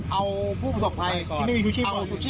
เอาผู้ประสบภัยที่มันมีสุชีพ